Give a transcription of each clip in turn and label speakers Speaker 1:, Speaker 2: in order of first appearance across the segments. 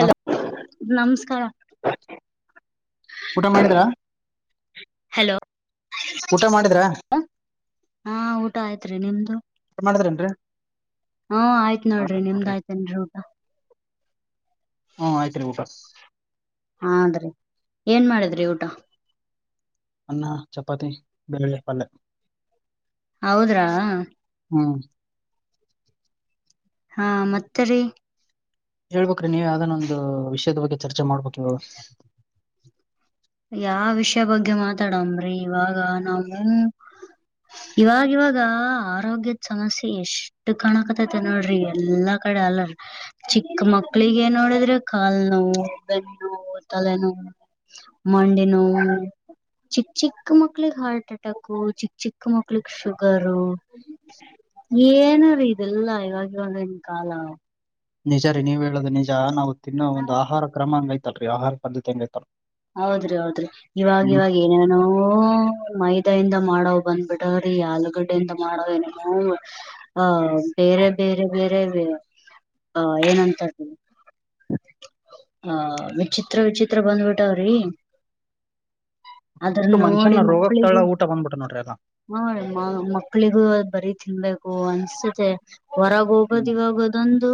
Speaker 1: ನ
Speaker 2: ನಮಸ್ಕಾರ
Speaker 1: ಊಟ ಮಾಡಿದ್ರ
Speaker 2: ಹಲೋ
Speaker 1: ಊಟ ಮಾಡಿದ್ರಾ
Speaker 2: ಹಾ ಊಟ ಆಯ್ತ್ರಿ ನಿಮ್ದು
Speaker 1: ಊಟ ಮಾಡಿದ್ರೇನ್ರಿ
Speaker 2: ಹಾ ಆಯ್ತ್ ನೋಡ್ರಿ ನಿಮ್ದಾಯಯ್ತೇನ್ರಿ ಊಗ
Speaker 1: ಹ್ಮ ಆಯ್ತ್ರಿ ಊಟ
Speaker 2: ಹೌದ್ರಿ ಏನ್ ಮಾಡಿದ್ರಿ ಊಟ
Speaker 1: ಅನ್ನ ಚಪಾತಿ ಬೆಳ್ಳುಳ್ಳಿ ಪಲ್ಲೆ
Speaker 2: ಹೌದ್ರಾ
Speaker 1: ಹ್ಮ್
Speaker 2: ಹಾ ಮತ್ತೆ ರಿ
Speaker 1: ಹೇಳ್ಬ್ರಿ ನೀವ್ ಯಾವ್ದನ್ನ ಒಂದು ವಿಷಯದ ಬಗ್ಗೆ ಚರ್ಚೆ ಮಾಡ್ಬೇಕ
Speaker 2: ಯಾವ ವಿಷಯ ಬಗ್ಗೆ ಮಾತಾಡಮ್ರಿ ಇವಾಗ ನಾವೂ ಇವಾಗ ಇವಾಗ ಆರೋಗ್ಯದ ಸಮಸ್ಯೆ ಎಷ್ಟ್ ಕಾಣಕತೈತೆ ನೋಡ್ರಿ ಎಲ್ಲಾ ಕ ಅಲ್ಲ ಚಿಕ್ಕ ಮಕ್ಳಿಗೆ ನೋಡಿದ್ರೆ ಕಾಲ್ ನೋವು ಬೆನ್ನು ನೋವು ತಲೆ ನೋವು ಮಂಡಿ ನೋವು ಚಿಕ್ಕ ಚಿಕ್ಕ ಮಕ್ಳಗ್ ಹಾರ್ಟ್ ಅಟ್ಯಾಕು ಚಿಕ್ಕ ಚಿಕ್ಕ ಮಕ್ಳಗ್ ಶುಗರು ಏನಾರೀ ಇದೆಲ್ಲಾ ಇವಾಗ ಒಂದನ್ ಕಾಲ
Speaker 1: ನಿಜ ರೀ ನೀವ್ ಹೇಳುದ ನಿಜ ನಾವು ತಿನ್ನೋ ಒಂದು ಆಹಾರ ಕ್ರಮ ಹಂಗೈ್ತಾ ರೀ ಆಹಾರ ಪದ್ಧತಿ ಹಂಗಯ್ತಲ್
Speaker 2: ಹೌದ್ರಿ ಹೌದ್ರಿ ಇವಾಗ ಇವಾಗ ಏನೇನೋ ಮೈದಾಯಿಂದ ಮಾಡೋ್ ಬಂದ್ಬಿಟೀ ಆಲೂಗಡ್ಡೆಯಿಂದ ಮಾಡವ ಏನೋ ಅ ಬೇರೆ ಬೇರೆ ಬೇರೆ ಅ ಏನಂತ ಹ ವಿಚಿತ್ರ ವಿಚಿತ್ರ ಬಂದ್ಬಿಟ್ಟಾವ್ರಿ ಅದ್ರ ನೋಡಿ
Speaker 1: ಮನುಷ್ಯನ ರೋಗಕ್ ತಳ
Speaker 2: ಮಕ್ಕಳಿಗೂ
Speaker 1: ಊಟ ಬಂದ್ಬಿಟ್ಟ ನೋಡ್ರಿ ಅದ
Speaker 2: ಹ ಮಕ್ಕಳಿಗೂ ಬರೀ ತಿನ್ಬೇಕು ಅನ್ಸತತೆ ಹೊರಗೆ ಹೋಗೋದ್
Speaker 1: ಹ್ಮ್
Speaker 2: ಇವಾಗದೊಂದು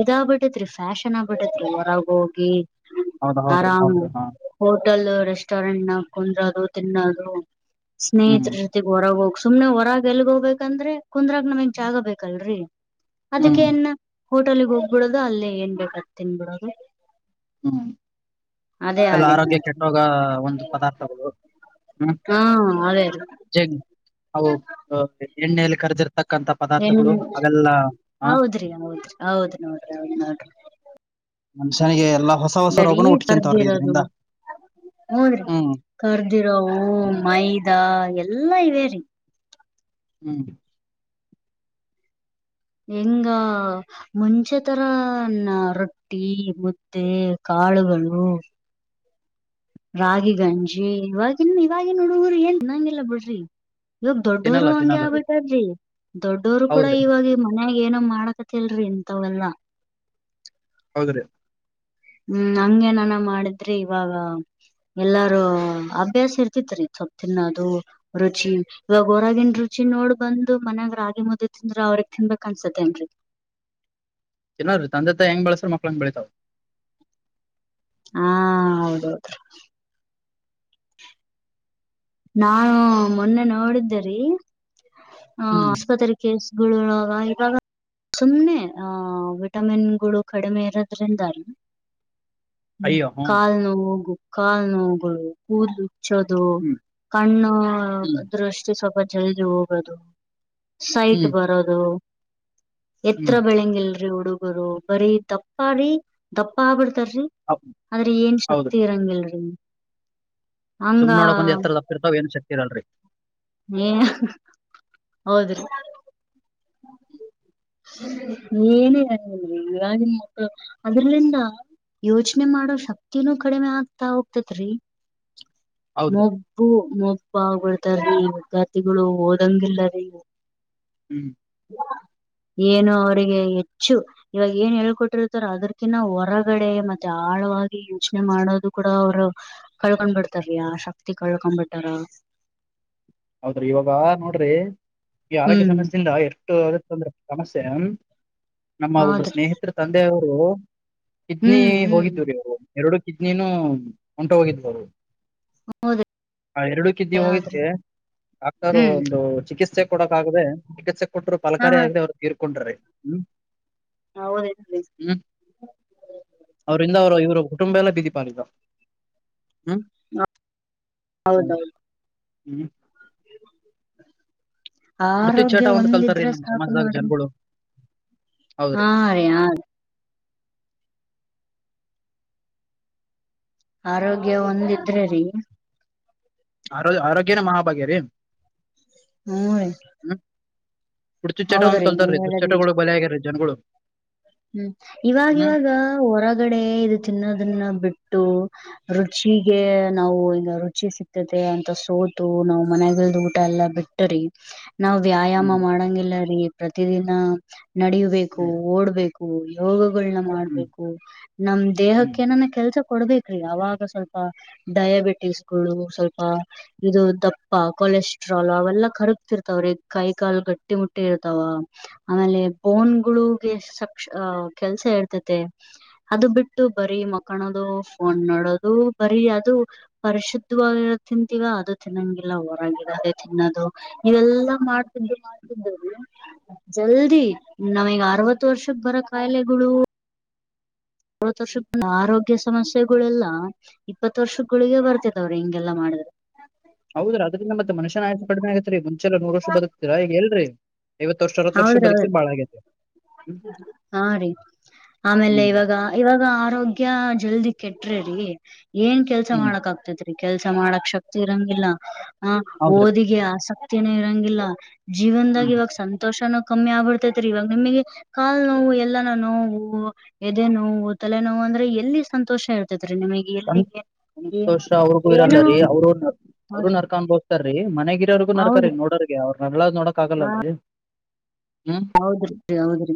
Speaker 2: ಇದಾಗಗ್ಬಿಟ್ಟತ್ರಿ ಫ್ಯಾಶನ್ ಆಗ್ಬಿಟ್ಟತ್ರಿ ಹೊರಗ ಹೋಗಿ
Speaker 1: ಹೌದ ಹೌದ್ರಿ
Speaker 2: ಆರಾಮ್
Speaker 1: ಹೌದ್ರಿ ಹಾ
Speaker 2: ಹೋಟಲ್ ರೆಸ್ಟೋರೆಂಟ್ ಕುಂದ್ರೋದು ತಿನ್ನೋದು
Speaker 1: ಹ್ಮ್
Speaker 2: ಸ್ನೇಹಿತರ ಜೊತೆಗೆ ಹೊರಗೆ ಹೋಗ್ ಸುಮ್ನೆ ಹೊರಾಗ ಎಲ್ಗೋಗ್ಬೇಕಂದ್ರೆ ಕುಂದ್ರಾಗ ನಮ ಹೆಂಗ ಜಾಗಬೇಕಲ್ರರಿ
Speaker 1: ಹ್ಮ್
Speaker 2: ಅದಕ್ಕನ್ ಹೋಟೆಲ್ಗ್ ಹೋಗ್ಬಿಡೋದು ಅಲ್ಲೇ ಏನ್ ಬೇಕತ್ ತಿನ್ಬಿಡೋದು
Speaker 1: ಹ್ಮ್
Speaker 2: ಅದೇ
Speaker 1: ಎಲ್ಲ
Speaker 2: ಆಗೇತ್
Speaker 1: ಆರೋಗ್ಯ
Speaker 2: ನೋಡ್ರಿ
Speaker 1: ಕೆಟ್ಟೋಗ ಒಂದು ಪದಾರ್ಥಗಳು ಹ್ಮ್
Speaker 2: ಹಾ ಅದೇ
Speaker 1: ಹೌ ಎಣ್ಣೆಯಲ್ಲಿ ಕರ್ದಿರ್ತ ತಕ್ಕಂಥ
Speaker 2: ಏನ್
Speaker 1: ಪದಾರ್ಥಗಳು ಅವೆಲ್ಲಾ ಹಾ
Speaker 2: ಹೌದ್ರಿ ಹೌದ್ರಿ ಹೌದ್ ನೋಡ್ರಿ ಹೌದ್ ನೋಡ್ರಿ
Speaker 1: ಮನುಷ್ಯನಿಗೆ ಎಲ್ಲಾ ಹೊಸ ಹೊಸ ರೋಗನ ಉಟ್ಕೊಂತವ್ರಿ ಇದ್ರಂದ
Speaker 2: ಹೋದ್ರಿ ಕರ್ದಿರೋ ಹ ಮೈದಾ ಎಲ್ಲ ಎಲ್ಲಾ ಇವೇರಿ
Speaker 1: ಹ್ಮ್
Speaker 2: ಹಿಂಗಾ ಮುಂಚೆತರ ನ ರೊಟ್ಟಿ ಮುದ್ದೆ, ಕಾ ಕಾಳಗಳು [unintelligible] ರಾಗಿ ಗಂಜಿ ಇವಾಗಿನ್ ಇವಾಗಿನ್ ಹುಡುಗರು ಏನ್ ತಿನೋಗಿಲ್ಲ ಬಿಡ್ರಿ. [unintelligible] ಇವಾಗ ದೊಡ್ಡವರು
Speaker 1: ತಿನ್ನಲ್ಲ
Speaker 2: ಹಂಗೆ
Speaker 1: ತಿನ್ನಲ್ಲರಿ
Speaker 2: ಆಗ್ಬಿಟ್ಟಾರೀ ದೊಡ್ಡವರು ಕೂಡ
Speaker 1: ಹೌದ್ರಿ
Speaker 2: ಇವಾಗಿ ಮನೆಗ [unintelligible] ಏನ ಮಾಡಕತಿಲ್ರಿ ಇಂಥವೆಲ್ಲಾ
Speaker 1: ಸ
Speaker 2: ಹ್ಮ್ ಹಂಗೇನಾನ ಮಾಡಿದ್ರಿ ಇವಾಗ ಎಲ್ಲಾರೂ ಅಭ್ಯಾಸ ಇರ್ತಿತ್ರಿೀ ಸೊಪ್ಪ ತಿನ್ನದು ರುಚಿ ಇವಾಗ ಹೊರಗನ್ ರುಚಿ ನೋಡ್ ಬ್ ಮನ್ಯಾಗ ರಾಗಿ ಮುದ್ದೆ ತಿಂದ್ರ ಅವ್ರಗ್ ತಿನ್ಬೇಕಕ್ ಅನ್ಸತ್ತೇನ್ರೀ
Speaker 1: ಚನ್ನ್ರೀ ತಂದೆತ್ತ ಹೆಂಗ್ ಬೆಳಸ್ರ ಮಕ್ಳಂಗ ಬೆಳಿತಾವ
Speaker 2: ಹಾ ಹೌದೌದು ನಾನು ಮೊನ್ನೆ ನೋಡಿದ್ದೇ ರಿ
Speaker 1: ಹ್ಮ್
Speaker 2: ಆಸ್ಪತ್ರೆಗೆ ಗುಳಳವ ಇವಾಗ ಸುಮ್ನೆ ಆಹ ವಿಟಮಿನ್ಗಳು ಕಡಿಮೆ ಇರೋದ್ರಿಂದ ಅಲ್ ಹು
Speaker 1: ಅಯ್ಯೋ ಹ್ಮ್
Speaker 2: ಕಾಲ ನೋವಗು ಕಾಲು ನೋವಗಳು ಕೂದಲ ಉಚ್ಚೋದು.
Speaker 1: ಹ್ಮ್
Speaker 2: ಕಣ್ಣು
Speaker 1: ಹ್ಮ್
Speaker 2: ದೃಷ್ಟಿ ಸ್ವಲ್ಪ ಜಲದಿ ಹೋಗೋದು. [unintelligible] ಸೈಟ್
Speaker 1: ಹ್ಮ್
Speaker 2: ಬರೋದು. [unintelligible] ಎತ್ರ
Speaker 1: ಹ್ಮ್
Speaker 2: ಬೆಳಂಗಿಲ್ರಿ ಹುಡುಗರು ಬರೀ ದಪ್ಪ ರೀ ದಪ್ಪ ಆಗಬಿ [unintelligible] ತರಿ
Speaker 1: ಹೌ-
Speaker 2: ಆದರೆ ಏನ್ ಶಕ್ತಿ
Speaker 1: ಹೌದ್ರಿ
Speaker 2: ಇರಂಗಿಲರಿ. [unintelligible] ಹಂಗಾ [unintelligible]
Speaker 1: ಇರ್ತಾವ್ ಏನ್ ಶಕ್ತಿ ಇರಲ್ರರಿ. [unintelligible]
Speaker 2: ಹೌದರಿ. [unintelligible]
Speaker 1: [unintelligible]
Speaker 2: ಏನ ಇರಂಗಿಲ್ಲ ರೀ ಇವಾಗಿನ ಮಕ್ಕಳ ಅದ್ರಲಿಂದಾ? [unintelligible] ಯೋಚನೆ ಮಾಡೋ ಶಕ್ತಿನೂ ಕಡಿಮೆ ಆಗ್ತಾ ಹೋಗ್ತೇತ್ರಿ. [unintelligible]
Speaker 1: ಹೌದ್ರಿ
Speaker 2: ಮೋಗು ಮೊ [unintelligible] ಬಾಳ್ ಹೊಗಳತಾರೀ ವಿದ್ಯಾರ್ಥಿಗಳು ಓದಂಗ ಇಲ್ಲರಿ. [unintelligible]
Speaker 1: ಹು [unintelligible]
Speaker 2: ಏನು ಅವರಿಗೆ ಹೆಚ್ಚು ಇವಾಗ ಏನ್ ಹೇಳ್ಕೊಟ್ಟಿರ್ತಾರ ಅದಕಿನ್ನ ಹೊರಗಡೆ ಮತ್ತೆ ಆಳ [unintelligible] ವಾಗಿ ಯೋಚನೆ ಮಾಡೋದು ಕೂಡ ಅವರು ಕಳ್ಕೊಂಡ್ ಬಿಡ್ತಾರೆ. [unintelligible] ಯಾ ಶಕ್ತಿ ಕಳ್ಕೊಂಬಿಟಾರ ಅವರ [unintelligible]
Speaker 1: ಹೌದ್ರಿ ಇವಾಗ ನೋಡ್ರಿ ಈ ಆರೋಗ್ಯ
Speaker 2: ಹ್ಮ್
Speaker 1: ಸಮಸ್ಯೆಯಿಂದ ಎಷ್ಟೋ ಹೋರಗ ತೊಂದರೆ. [unintelligible] ನಮಸ್ತೆ ಅನ್ ನಮ್ಮ ಒಬ್ಬರ
Speaker 2: ಹೌದ್ರಿ
Speaker 1: ಸ್ನೇಹಿತರ ತಂದೆಯವರು [unintelligible] ಕಿಡ್ನಿ
Speaker 2: ಹ್ಮ್ ಹ್ಮ್
Speaker 1: ಹೋಗಿದವೂ ರೀ ಅವರು ಎರಡು ಕಿಡ್ನಿನೂ ಹೊಂಟ ಹೋಗಿದ ಅವ [unintelligible]
Speaker 2: ಹೌದ್ರಿ
Speaker 1: ಹ ಎರಡು ಕಿಡ್ನಿ
Speaker 2: ಹೌದ್ರಿ
Speaker 1: ಹೋಗಿದಕ್ಕೆ ಡಾಕ್ಟರು
Speaker 2: ಹ್ಮ್
Speaker 1: ಒಂದು ಚಿಕಿತ್ಸೆ [unintelligible] ತಾಗದೆ ಚಿಕಿತ್ಸೆ ಕೊಟ್ಟರು
Speaker 2: ಹಾ
Speaker 1: ಫಲಕಾರಿ ಆಗದೆ ಅವ್ರು ತೀರ್ಕೊಂಡ್ರಿ ಹು [unintelligible]
Speaker 2: ಹೌದ ಏನ್ ರೀ. [unintelligible]
Speaker 1: ಅವರಿಂದ ಅವರು ಇವರ ಕುಟುಂಬ ಎಲ್ಲ ಬೀದಿಪಾಲ ಈಗ ಹು [unintelligible]
Speaker 2: ಹೌದ ಹೌದ [unintelligible]
Speaker 1: [unintelligible]
Speaker 2: ಆ
Speaker 1: ಕುಡ್ತಿ ಚೇಟ
Speaker 2: ಆರೋಗ್ಯ
Speaker 1: ಒಂದ್ ಕಲ್ತಾರ್ರಿ
Speaker 2: ಒಂದಿದ್ರೆ
Speaker 1: ನಮ್
Speaker 2: ಸಾಕು
Speaker 1: ಸಮಾಜದಾಗ
Speaker 2: ನೋಡರಿ.
Speaker 1: ಜನಗಳು
Speaker 2: [unintelligible] ಹಾ
Speaker 1: ಹೌದ್ರಿ
Speaker 2: ಯಾರ? [unintelligible] ಆರೋಗ್ಯ ಒಂದ ಇದರೆ ರೀ [unintelligible]
Speaker 1: ಆರೋ ಆರೋಗ್ಯನ ಮಹಾಭಾಗ್ಯ ರೀ [unintelligible]
Speaker 2: ಹೂ ಐ [unintelligible]
Speaker 1: ಕೂಡಕೀ ಚಟ ಒಂದ ಕಲ್ತಾರೀ ದುಶ್ಚಟಗಳು ಬಲೀ ಆಗ್ಯಾರೀ ಜನಗಳು [unintelligible]
Speaker 2: ಹೂ ಇವಾಗ
Speaker 1: ಹ್ಮ್
Speaker 2: ಇವಾಗ ಹೊರಗಡೆ ಇದು ತಿನ್ನೋದನ್ನ ಬಿಟ್ಟು [unintelligible] ರುಚಿಗೆ ನಾವು ಇಗ ರುಚಿ ಸಿಗ್ತದೆ ಅಂತ ಸೋತು ನಾವ ಮನಯಾಗಲ್ದ ಊಟ ಎ [unintelligible] ಎಲ್ಲಾ ಬಿಟ್ಟರಿ. [unintelligible] ನಾವ್ ವ್ಯಾಯಾಮ
Speaker 1: ಹ್ಮ್
Speaker 2: ಮಾಡಂಗಿಲ್ಲ ರೀ ಪ್ರತಿದಿನ ನಡಿಬೇಕು
Speaker 1: ಹ್ಮ್
Speaker 2: ಓಡ್ಬೇಕು. [unintelligible] ಹೂ ಯೋಗ [unintelligible] ಉಪಳನ
Speaker 1: ಹ್ಮ್
Speaker 2: ಮಾಡ್ಬೇಕು ನಮ್ಮ
Speaker 1: ಹ್ಮ್
Speaker 2: ದೇಹಕ್ಕೆ ನಾನ ಕೆಲಸ ಕೊಡಬೇಕರಿ ಅವಾಗ ಸ್ವಲ್ಪ [unintelligible] ಡಯಾಬಿಟಿಸಗಳು ಸ್ವಲ್ಪ ಇದು ದಪ್ಪ ಕೊಲೆಸ್ಟ್ರಾಲ್ ಅವೆಲ್ಲ ಕರ್ಕ್ತರ್ತವೆ. [unintelligible] ಬರಿ ಕೈ ಕಾಲ್ ಗಟ್ಟಿ ಮುಟ್ಟಿ ಇರ್ತಾವ ಆಮೇಲೆ ಬೋನ್ಗಳು ಸಪ [unintelligible] ಕ್ಷ ಕೆಲಸಾ ಇರ್ತತೆ ಅದು ಬಿಟ್ಟು ಬರೀ ಮಕನದು ಫೋನ್ ನೋಡೋದು. [unintelligible] ಬರೀ ಅದು ಪರಿಶುದ್ಧವಾಗಿ ತಿಂತೀವಾ ಅದು ತಿನ್ನಂಗಿಲ್ಲ ಹೊರಾಗಿನ ಅದೇ ತಿನ್ನೋದು. [unintelligible] ಇವೆಲ್ಲಾ ಮಾಡ್ತಿದ್ದು ಮಾಡ್ತಿದ್ದ ಜಲ್ದಿ ನಮಗ್ ಅರವತ್ತ ವರ್ಷ [unintelligible] ಬರೋ ಕಾಯಿಲೆಗಳು [unintelligible] ಮೂವತ್ ವರ್ಷ ಆರೋಗ್ಯ ಸಮಸ್ಯೆಗಳೆಲ್ಲಾ ಇಪ್ಪತ್ತು ವರ್ಷಕ ಗುಳಿಗೆ ಬರ್ತದವರಿ ಹಿಂಗೆಲ್ಲಾ ಮಾಡ [unintelligible]
Speaker 1: ಹೌದ್ರೀ ಅದ್ರಿಂದ ಮತ್ತ ಮನುಷ್ಯ ಯಾಕ ಕಡಿಮೆ ಆಗತ್ರಿ ಮುಂಚೆ ಎಲ್ಲ ನೂರ್ ವರ್ಷ ಬದುಕ್ತಿರಾ ಈಗ ಎಲ್ರರಿ. [unintelligible]
Speaker 2: ಹೌದ್ರಿ ಹೌದ್ರಿ
Speaker 1: ಹ್ಮ್
Speaker 2: ಹಾಂ ರೀ. ಆಮೇಲೆ
Speaker 1: ಹ್ಮ್
Speaker 2: ಇವಾಗ ಇವಾಗ ಆರೋಗ್ಯ ಜಲ್ದಿ ಕೆಟ್ರೆ ರೀ ಏನ್ ಕೆಲ್ಸ
Speaker 1: ಹ್ಮ್
Speaker 2: ಮಾಡಕ್ ಆಗ್ತೈತಿ. ಕೆಲ್ಸ ಮಾಡಕ್ ಶಕ್ತಿ ಇರಂಗಿಲ್ಲ ಹ
Speaker 1: ಹೌದ್ರಿ
Speaker 2: ಓದಿಗೆ ಆಸಕ್ತಿನೆ ಇರಂಗಿಲ್ಲ. ಜೀವನ್ದಾಗ್
Speaker 1: ಹ್ಮ್
Speaker 2: ಇವಾಗ್ ಸಂ ತೋಷನು ಕಮ್ಮಿ ಆಗ್ಬಿಡ್ತೈತ್ರಿ ಇವಾಗ್ ನಿಮ್ಗೆ ಕಾಲ್ ನೋವು ಎಲ್ಲಾನ ನೋವು ಎದೆ ನೋವು ತಲೆ ತಲೆ ನೋವು ಅಂದ್ರೆ ಎಲ್ಲಿ ಸಂತೋಷ ಇರ್ತೇತ್ ರೀ ನಿಮಗೆ
Speaker 1: ತಂದೆ
Speaker 2: ಎಲ್ಲಿ? ಏನ್
Speaker 1: ಸಂತೋಷ ಅವ್ರ್ ಗೂ ಇರಲ್ಲ
Speaker 2: ಏನು
Speaker 1: ರೀ ಅವರು ಅವರು
Speaker 2: ಹೌದ್ರಿ
Speaker 1: ನರ್ಕ ಅನ್ಬೌಸ್ತಾರೀ ಮನೆಗೆ ವರ್ಗು ನರ್ಕಾರಿ
Speaker 2: ಹೌದ್ರಿ
Speaker 1: ನೋಡೋರ್ಗೆ ಅವ್ರ್ ನರ್ಳದ್ ನೋಡಕ್ ಆಗಲ್ಲಲ್ರಿ.
Speaker 2: ಹೌದ್ರಿ ಹೌದ್ರಿ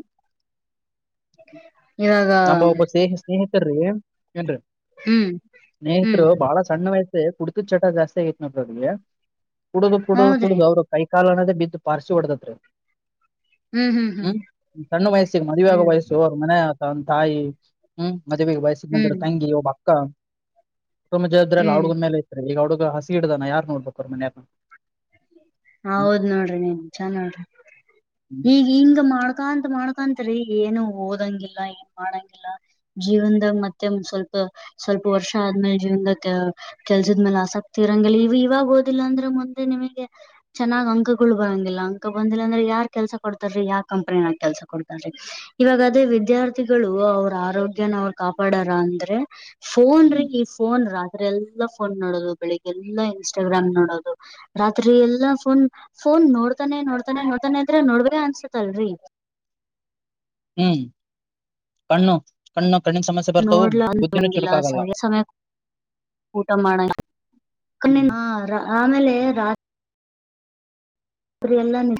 Speaker 2: ಇವಾಗ
Speaker 1: ನಮ್ಬ ಒಬ್ಬ ಸ್ನೇಹ ಸ್ನೇಹಿತರೀ ಏನ್ರಿ
Speaker 2: ಹ್ಮ್ ಹ್ಮ್
Speaker 1: ಸ್ನೇಹಿತರು ಬಹಳ ಸಣ್ ವಯ್ ರೆ ಕುಡ್ತುದ್ ಚಟ ಜಾಸ್ತಿ ಆಗಿತ್ ನೋಡ್ರಿ ಅವ್ರ್ ಗೆ ಕುಡುದು ಕುಡುದು
Speaker 2: ಹೌದ್ರಿ
Speaker 1: ಕುಡುದು ಅವ್ರುಗ್ ಕೈ ಕಾಲ್ ಅನ್ನೋದೆ ಬಿದ್ ಪಾರ್ಸಿ ಹೊಡದತ್ರಿ. ಹ್ಮ್ ಸಣ್ಣ ವಯಸ್ಸು ಮದುವೆ ಆಗೋ
Speaker 2: ಹ್ಮ್
Speaker 1: ವಯಸ್ಸು ಅವ್ರ್ ಮನೆ ಆ ಅವ್ನ್ ತಾಯಿ ಹ್ಮ್ ಮದುವೆಗೆ ವಯಸ್ಸಿಗೆ ಬಂದಿರೋ
Speaker 2: ಹ್ಮ್
Speaker 1: ತಂಗಿ, ಒಬ್ಬ ಅಕ್ಕ ಕುಟುಂಬದ್ ಜವಾಬ್ದಾರಿಯೆಲ್ಲ ಆ
Speaker 2: ಹ್ಮ್
Speaker 1: ಹುಡ್ಗನ್ ಮೇಲ್ ಐತ್ರಿ ಈಗ್ ಆ ಹುಡ್ಗ ಹಾಸ್ಗಿ ಹಿಡ್ದಾನ ಯಾರ್ ನೋಡ್ಬೇಕು ಅವ್ರ್ ಮನೆಯಾಗ್
Speaker 2: ಹೌದ್ ನೋಡ್ರಿ ನಿಜ ನೋಡ್ರಿ
Speaker 1: ಹ್ಮ್
Speaker 2: ಈಗ್ ಹಿಂಗ್ ಮಾಡ್ಕಂತ್ ಮಾಡ್ಕಂತ್ ಏನು ಓದಂಗಿಲ್ಲ ಏನ್ ಮಾಡಂಗಿಲ್ಲ ಜೀವನ್ದಾಗ್ ಮತ್ತೆ ಸ್ವಲ್ಪ ಸ್ವಲ್ಪ ವರ್ಷ ಆದ್ಮೇಲೆ ಜೀವನ್ದಾಗ ಕೆಲ್ಸದ್ ಮೇಲ್ ಆಸಕ್ತಿ ಇರಂಗಿಲ್ಲಾ ಇವು ಇವಾಗ್ ಓದಿಲ್ಲ ಅಂದ್ರೆ ಮುಂದೆ ನಿಮಿಗೆ ಚೆನ್ನಾಗ್ ಅಂಕಗುಳ್ ಬರಂಗಿಲ್ಲ ಅಂಕ ಬಂದಿಲ್ಲ ಅಂದ್ರೆ ಯಾರ್ ಕೆಲ್ಸ ಕೊಡ್ತಾರೀ ಯಾ ಕಂಪ್ನಿನಾಗ್ ಕೆಲ್ಸ ಕೊಡ್ತಾರೀ? ಇವಾಗದೇ ವಿದ್ಯಾರ್ಥಿಗಳು ಅವ್ರ ಆರೋಗ್ಯನ ಅವ್ರ್ ಕಾಪಾಡಾರ ಅಂದ್ರೆ ಫೋನ್ ರೀ
Speaker 1: ಹ್ಮ್
Speaker 2: ಈ ಫೋನ್ ರಾ ತ್ರಿ ಎಲ್ಲಾ ಫೋನ್ ನೋಡೋದು ಬೆಳಿಗ್ಗೆ ಎಲ್ಲಾ ಇನ್ಸ್ಟಾಗ್ರಾಮ್ ನೋಡೋದು ರಾತ್ರಿ ಎಲ್ಲಾ ಫೋನ್ ಫೋನ್ ನೋಡ್ತಾನೆ ನೋಡ್ತಾನೆ ನೋಡ್ತಾನೆ ಇದ್ರೆ ನೋಡ್ಬೇ ಅನ್ಸತಲ್ರಿ
Speaker 1: ಹ್ಮ್ ಕಣ್ಣು ಕಣ್ಣು ಕಣ್ಣಿನ ಸಮಸ್ಯೆ ಬರ್ತಾವು ಬುದ್ಧಿನೂ
Speaker 2: ನೋಡ್ಲನಂಗಿಲ್ಲ
Speaker 1: ಚುರುಕಾಗಲ್ಲ
Speaker 2: ಸರಿ ಸಮಯ್ ಊಟ ಮಾಡ
Speaker 1: ಹ್ಮ್
Speaker 2: [unintelligible] ಆಮೇಲೆ ರಾ ತ್ರಿಯೆಲ್ಲಾ ನಿ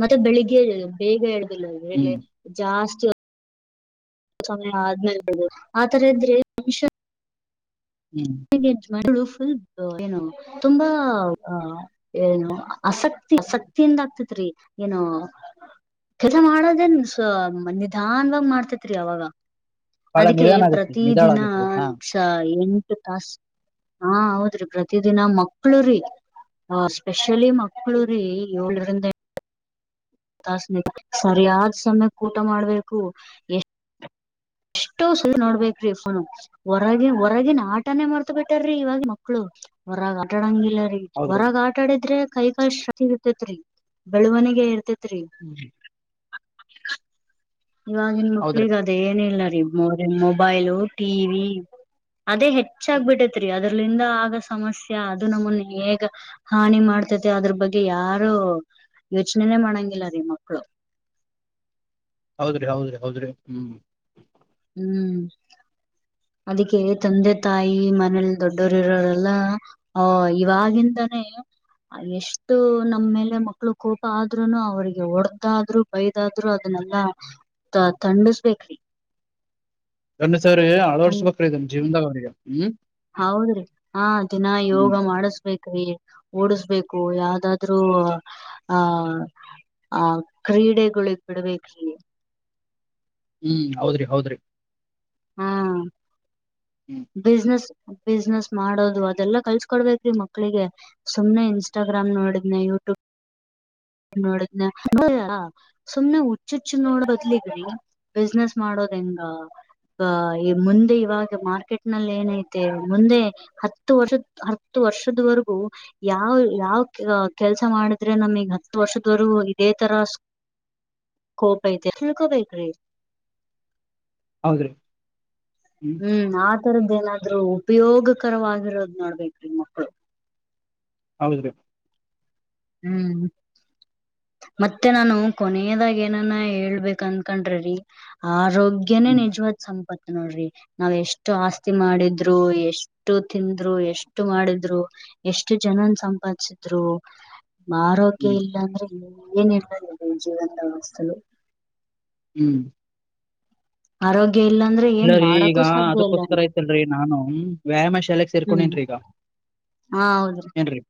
Speaker 2: ಮತ್ತೆ ಬೆಳಿಗ್ಗೆ ಬೇಗ ಏಳದಿಲ್ಲ ಅವ್ರು
Speaker 1: ಹ್ಮ್
Speaker 2: ಲೇಟ್ ಜಾಸ್ ತಿ [unintelligible] ಆದ್ಮೇಲೆ [unintelligible] ಆತರ ಇದ್ರೆ ವಿಷ
Speaker 1: ಹ್ಮ್
Speaker 2: [unintelligible] ಫುಲ್ ಏನು ತುಂಬಾ ಅ ಏನು ಆಸಕ್ತಿ ಆಸಕ್ತಿಯಿಂದ ಆಗ್ತಿದ್ ತ್ರಿ ಏನೋ ಕೆಲ್ಲ ಮಾಡೋದೇನ್ ಸೊ ನಿಧಾನವಾಗ್ ಮಾಡ್ತೇತ್ರಿ ಅವಾಗ.
Speaker 1: ಬಹಳ
Speaker 2: ಅದುಕೆ
Speaker 1: ನಿಧಾನ ಆಗತ್ರಿ
Speaker 2: ಪ್ರತಿ
Speaker 1: ನಿಧಾಳ
Speaker 2: ದಿನ
Speaker 1: ಆಗತ್ರಿ ಹಾ
Speaker 2: ಚ ಎಂಟ್ ತಾಸ್ ಹಾಂ ಹೌದ್ರಿ ಪ್ರತಿದಿನ ಮಕ್ಳುರೀ ಆ ಸ್ಪೆಷಲಿ ಮಕ್ಳುರಿ ಯೋಳ್ರಿಂದ ಎಂಟ್ ತಾಸ [unintelligible] ಸರಿಯಾದ್ ಸಮ್ಯುಕ್ ಊಟ ಮಾಡ್ಬೇಕು ಎಷ್
Speaker 1: [inaudible]
Speaker 2: ತುಸ್ಲಿ ನೋಡ್ಬೇಕ್ರಿ ಫೋನು ಹೊರಗ ಹೊರಗಿನ ಆಟನೇ ಮರ್ತ್ ಬಿಟ್ಟಾರೀ ಇವಾಗ್ ಮಕ್ಳು. ಒನ್ ಕಟ್ಟಡಂಗಿ [unintelligible] ಇಲ್ಲೀ
Speaker 1: ಹೌದ್ರಿ
Speaker 2: ಹೊರಗ ಆಟಾಡಿದ್ರೆ ಕೈ ಕಾಲ್ ಶಾತಿ ಇರ್ತತ್ ರರಿ ಬೆಳವಣಿಗೆ ಇರ್ತೆೇತಿ
Speaker 1: ಹ್ಮ [unintelligible]
Speaker 2: ಇವಾಗಿನ್
Speaker 1: ಹೌದ್ರಿ
Speaker 2: ಮಕ್ಳಿಗೆ ಅದ ಏನ ಇಿಲ್ಲ ರೀ ಮ ಮೊಬೈಲು ಟಿವಿ ಅದೇ ಹೆಚ್ಚಾಗ್ ಬಿಟ್ಟೈತ್ರಿ ಅದ್ರಲಿಂದ ಆದ ಸಮಸ್ಯ ಅದು ನಮ್ಮುನ್ ಹೇಗ ಹಾನಿ ಮಾಡ್ ಮಾಡ್ತತಿ ಅದ್ರ್ ಬಗ್ಗೆ ಯಾರು ಯೋಚನೆನೆ ಮಾಡಂಗಿಲ್ಲ ರೀ ಮಕ್ಕಳು.
Speaker 1: ಹೌದ್ರಿ ಹೌದ್ರಿ ಹೌದ್ರಿ ಹ್ಮ್
Speaker 2: ಹ್ಮ್ ಅದಿಕೆ ತಂದೆ ತಾಯಿ ಮನೇಲ್ ದೊಡ್ಡೋರಿರೋರೆಲ್ಲ ಆ ಇವಾಗಿಂದಾನೇ
Speaker 1: [inaudible]
Speaker 2: ಅಲ್ಲೆಷ್ಟು ನಮ್ಮೇಲೆ ಮಕ್ಳು ಕೋಪ ಆದ್ರುನು ಅವ್ರಿಗೆ ಒಡ್ದಾದ್ರು ಬೈದಾದ್ರು ಅದುನ್ ನೆಲ್ಲ ತ ತಂಡಿಸ್ಬೇಕ್ರಿ.
Speaker 1: ಅಂದ ಸರಿರೀ
Speaker 2: ಖಂಡ
Speaker 1: ಅಳವಡ್ಸ್ಬೇಕ್ರಿ ಇದುನ್ ಜೀವನ್ದಾಗ್ ಅವರಿಗೆ ಹ್ಮ್
Speaker 2: ಹೌದ್ರಿ ಹಾಂ ದಿನ ಯೋಗ
Speaker 1: ಹ್ಮ್
Speaker 2: ಮಾಡಸ್ಬೇಕ್ರಿ. ಓಡಿಸ್ಬೇಕು ಯಾವ್ದಾದ್ರರು ಆಹ ಆ ಕ್ರೀಡೆಗಳಿಗೆ ಬಿಡ್ಬೇಕ್ರಿ
Speaker 1: ಹ್ಮ್ ಹೌದ್ರಿ ಹೌದ್ರಿ
Speaker 2: ಹಾ
Speaker 1: ಹ್ಮ್
Speaker 2: ಬಿಸ್ನೆಸ್ ಬಿಸ್ನೆಸ್ ಮಾಡೋದು ಅದೆಲ್ಲಾ ಕಲ್ಸ್ಕೊಡ್ಬೇಕ್ರೀ ಮಕ್ಳಿಗೆ ಸುಮ್ಮನೆ ಇಸ್ಟಾಗ್ರಾಮ್ ನೋಡಿದ್ನ ಯ ಹತ್ತು ನೋಡ್ ಸುಮ್ನೆ ಹುಚ್ಚುಚ್ಚು ನೋಡದ್ಲಿೀ ಬಿಸ್ನೆಸ್ ಮಾಡೋ ರಿಂಗಾ ಆ ಈ ಮುಂದೆ ಇವಾಗ ಮಾರ್ಕೆಟ್ ನಲ್ಲಿ ಏನೈತೆ ಮುಂದೆ ಹತ್ತು ವರ್ಷ ಹತ್ತು ವರ್ಷದವರೆಗೂ ಯಾವ ಯಾವ ಕೆಲಸ ಮಾಡಿದ್ರೆ ನಮಗ್ ವರ್ಷದವರು ಇದೇ ತರ ಕೋ ಬೈತ ಹಲ್ಕೋ ಬೈಕ್ರೀ
Speaker 1: ಹೌದ್ರೀ
Speaker 2: ಹ್ಮ್ ಆತರದ ಏನಾದ್ರು ಉಪಯೋಗಕರವಾಗಿರೋದ್ ನೋಡ್ಬೇಕೇ್ರಿ ಮಕ್ಳು
Speaker 1: ಹೌದ್ರೀ
Speaker 2: ಹ್ಮ್ ಮತ್ತೆ ನಾನು ಕೊನೆಯದಾಗ ಏನಾನ ಹೇಳ್ಬೇಕ ಅನ್ಕೊಂಡ್ರರಿ ಆ ಆರೋಗ್ಯೆ
Speaker 1: ಹ್ಮ್
Speaker 2: ನಿಜವತ್ ಸಂಪತ್ತ ನೋಡ್ರಿ ನಾವ್ ಎಷ್ಟು ಆಸ್ತಿ ಮಾಡಿದ್ರು ಎಷ್ಟು ತಿಂದ್ರು ಎಷ್ಟು ಮಾಡಿದ್ರು ಎಷ್ಟು ಜನನ್ ಸಂಪಾದಿಸಿದ್ರು ನಮ್ಮ ಆರೋಗ್ಯ
Speaker 1: ಹ್ಮ್
Speaker 2: ಇಲ್ಲ ಅಂದ್ರೆ ಏನ ಇರ್ಲ ಜೀವನದ ವಸ್ತುಲು
Speaker 1: ಹ್ಮ್
Speaker 2: ಆರೋಗ್ಯ ಇಲ್ಲ ಅಂದ್ರೆ ಏನ್
Speaker 1: ಇಲ್ಲರೀ ಈಗ
Speaker 2: ಮಾಡಕ್ಕೂ ಸಾಧ್ಯ ಇಲ್ಲ
Speaker 1: ಅದಕ್ಕೋಸ್ಕರ
Speaker 2: ರೀ
Speaker 1: ಐತಲ್ರರಿ ನಾನು ವ್ಯಾಯಾಮ ಶಾಲೆಗೆ
Speaker 2: ಹ್ಮ್
Speaker 1: ಸೇರ್ಕೊಂಡನ್ರೀ ಈಗ
Speaker 2: ಹಾ ಹೌದ್ರಿ
Speaker 1: ಏನ್ರೀ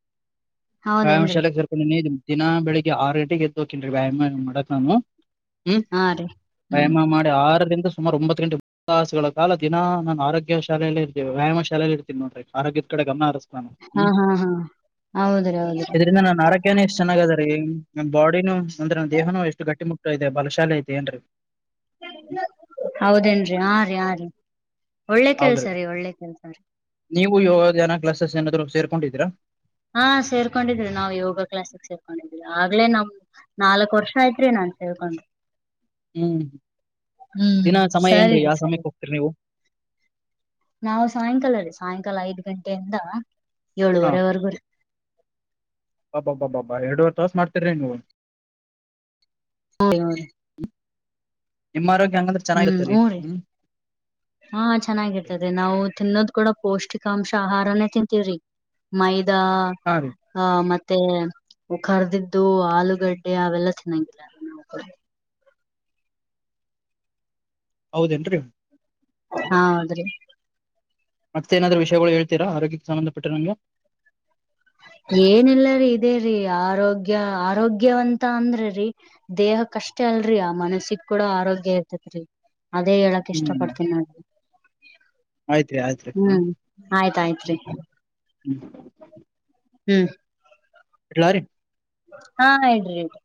Speaker 1: ವಾಯಾಮ
Speaker 2: ಹೌದೇನ್ರಿ
Speaker 1: ಶಾಲೆಗೆ ಸರ್ಕೊಂಡ ನೀ ದಿನ ಬೆಳಿಗ್ಗೆ ಆರು ಗಂಟೆಗೆ ಎದ್ದಕನ್ರಿ ವ್ಯಾಯಾಮ ಮಾಡಕಕ್ ನಾನು ಹ್ಮ್
Speaker 2: ಹಾ ರೀ ಹ್ಮ್
Speaker 1: ವ್ಯಾಯಾಮ ಮಾಡಿ ಆರರಿಂದ ಸುಮಾರು ಒಂಬತ್ತು ಗಂಟೆ [inaudible] ಾಸುಗಳ ಕಾಲ ದಿನ ನಾನು ಆರೋಗ್ಯ ಶಾಲೆಯಲ್ಲಿ ಇರ್ೀ ವ್ಯಾಯಾಮ ಶಾಲೆಯಲ್ಲಿ ಇರ್ತೀನಿ ನೋಡಿರ್ಯದ ಕಡೆ ಗಮನ ಹತ
Speaker 2: ಹಾ
Speaker 1: ಹ್ಮ್
Speaker 2: ಹಾ ಹಾ ಹೌದ್ರಿ ಹೌದ್ರಿ
Speaker 1: ಇದರಿಂದ ನಾ ಆರಕ್ಯನ ಎಷ್ಟ್ ಚೆನ್ನಾಗ ಅದ ರೀ ಹ್ಮ ಬಾಡಿನು ಅಂದ್ರೆ ದೇಹನು ಎಷ್ಟು ಗಟ್ಟಿ ಮುಟ್ಟು ಇದೆ ಬಲಶಾಲೆ ಐತೆ ಏನ್ರರಿ
Speaker 2: ಹೌದೇನ್ರಿ ಆ ರರಿ ಆ ರೀ ಒಳ್ಳೆ ಕೆಲ್ಸ
Speaker 1: ಹೌದ್ರಿ
Speaker 2: ರಿ ಒಳ್ಳೆ ಕೆಲ್ಸ ರಿ
Speaker 1: ಯೋಗ ಕ್ಲಾಸಸ್ ಏದರು ಸೇರ್ಕೊಂಡಿದ್ದಿದರಾ
Speaker 2: ಹಾ ಸೇರ್ಕೊಂಡಿದ್ರಿ ನಾವು ಯೋಗ ಕ್ಲಾಸಿಗೆ ಸೇರ್ಕೊಂಡಿದ್ವಿ ಆಗ್ಲೇ ನಾವು ನಾಲ್ಕಕ್ ವರ್ಷ ಆಯ್ತ್ರಿ ನಾ ಹ
Speaker 1: ಹ್ಮ್
Speaker 2: ಹ್ಮ್
Speaker 1: ದಿನ ಸಮಯ
Speaker 2: ಸರಿ
Speaker 1: ಏನ್ರಿ
Speaker 2: ರೀ
Speaker 1: ಯಾವ್ ಸಮಯಕ್ಕೆ ಹೋಗ್ತೀರಿ ನೀವು
Speaker 2: ನಾವವು ಸಾಯಂಕಾಲ ರೀ ಸಾಯಂಕಾಲ ಐದ್ ಗಂಟೆಯಿಂದ ಏಳುವರೆವರೆಗೂ ರೀ
Speaker 1: ಬಾಬಾಬ್ಬಾಬ್ಬ್ಬಾ ಎರಡುವರ್ ತಾಸ ಮಾಡ್ತರಿ ನೀವು ನಿಮ್ಮವರು
Speaker 2: ಹ್ಮ್ ಊ ರಿ ಹಾ ಚೆನ್ನಾಗಿರ್ತದೆ ನಾವು ತಿನ್ನೋದ್ ಕೂಡ ಪೌಷ್ಟಿಕಾಂಶ ಆಹಾರಾನೇ ತಿಂತೀವ್ರಿ ಮೈದಾ
Speaker 1: ಹಾ ರೀ
Speaker 2: ಆ ಮತ್ತೆ ಮತ್ತೆ ಕರ್ದಿದ್ದು ಆಲೂಗಡ್ಡೆ ಅವೆಲ್ಲ ತಿನ್ನಂಗಿಲ್ಲ ರೀ ನಾವು
Speaker 1: ಹೌದೇನ್ರಿ
Speaker 2: ಹೌದ್ರಿ
Speaker 1: ಮತ್ತೆ ಏನಾದ್ರೂ ವಿಷಯಗಳು ಹೇಳ್ತೀರಾ ಆರೋಗ್ಯಕ್ಕೆ ಸಂಬಂಧಪಟ್ಟ ನಂಗೆ
Speaker 2: ಏನಿಲ್ಲ ರೀ ಇದೇ ರೀ ಆರೋಗ್ಯ ಆರೋಗ್ಯವಂತ ಅಂದ್ರ ರೀ ದೇಹ ಕಷ್ಟ ಅಲ್ರರಿ ಆ ಮನಸಿಕ್ ಕೂಡ ಆರೋಗ್ಯ ಇರ್ತೇತ್ರಿ ಅದೇ ಹೇಳಕ್ ಇಷ್ಟ
Speaker 1: ಹ್ಮ್
Speaker 2: ಪಡ್ತೀನಿ ನೋಡಿ
Speaker 1: ಆಯ್ತ್ರಿ ಆಯ್ತ್ರಿ ಹಾ
Speaker 2: ಹ್ಮ್ ಆಯ್ತಾಯ್ತ್ರಿ
Speaker 1: ಹ್ಮ್
Speaker 2: ಹ್ಮ್
Speaker 1: ಎಲ ರೀ
Speaker 2: ಹಾ ಇಡ್ರಿ ಇಡ್ರಿ